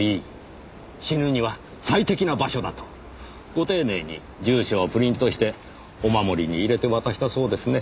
ご丁寧に住所をプリントしてお守りに入れて渡したそうですね。